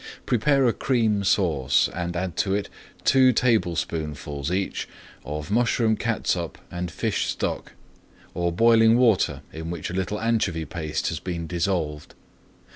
Prepare a Cream Sauce and add to it two tablespoonfuls each of mushroom catsup and fish stock, or boiling water in which a little anchovy paste has been dissolved.